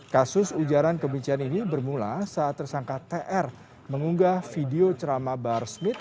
kasus ujaran kebencian ini bermula saat tersangka tr mengunggah video ceramah bahar smith